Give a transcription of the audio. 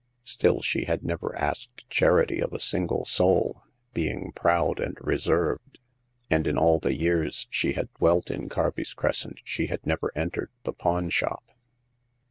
Still, she had never asked charity of a single soul, being proud and reserved : and in all the years she had dwelt in Carby's Crescent she had never entered the pawn shop.